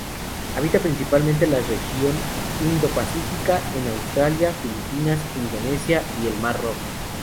Habita principalmente en la región Indo-Pacífica, en Australia, Filipinas, Indonesia y el mar rojo.